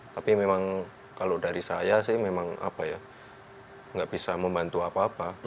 tapi memang kalau dari saya sih memang apa ya nggak bisa membantu apa apa